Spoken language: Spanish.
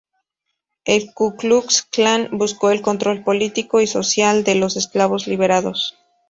El Ku Klux Klan buscó el control político y social de los esclavos liberados.